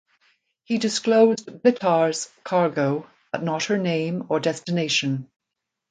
He disclosed "Blitar"s cargo but not her name or destination.